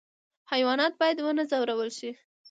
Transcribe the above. حیوانات باید ونه ځورول شي